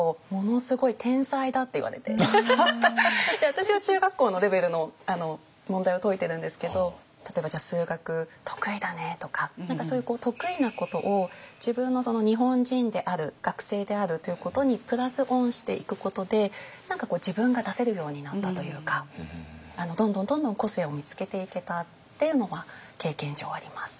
私は中学校のレベルの問題を解いてるんですけど例えばじゃあ数学得意だねとかそういう得意なことを自分の日本人である学生であるということにプラス・オンしていくことで何かこう自分が出せるようになったというかどんどんどんどん個性を見つけていけたっていうのは経験上あります。